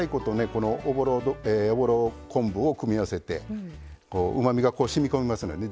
このおぼろ昆布を組み合わせてうまみがしみ込みますのでね